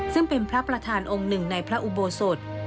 ซึ่งเป็นพระประธานองค์หนึ่งในพระอุโบสถ